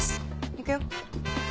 行くよ。